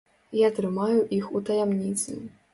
Я трымаю іх у таямніцы.